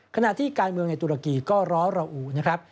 ขณะที่การเมืองในตุรกีก็ร้อระอุนะครับ